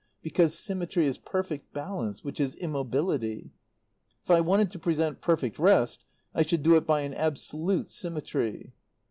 Because symmetry is perfect balance which is immobility. If I wanted to present perfect rest I should do it by an absolute symmetry."